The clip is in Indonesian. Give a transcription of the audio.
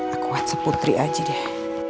aku hat seputri aja deh